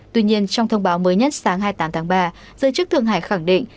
tuy nhiên trong thông báo mới nhất sáng hai mươi tám tháng ba giới chức thượng hải khẳng định